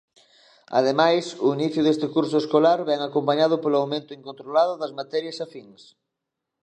Ademais, o inicio deste curso escolar vén acompañado polo aumento incontrolado das materias afíns.